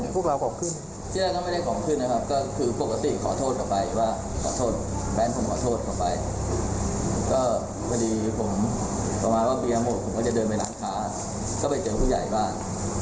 ผมก็จะเดินไปหลังค้าเข้าไปเจอผู้ใหญ่บ้าน